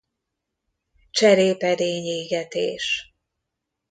Cserépedény égetés.